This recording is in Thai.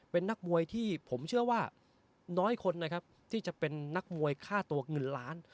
เป็นนักมวยที่ผมเชื่อว่าน้อยคนนะครับที่จะเป็นนักมวยค่าตัวเงินล้าน